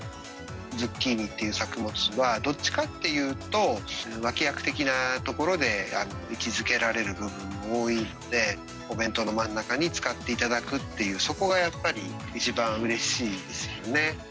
ズッキーニっていう作物は、どっちかって言うと、脇役的なところで位置づけられる部分、多いので、お弁当の真ん中に使っていただくっていう、そこがやっぱり一番うれしいです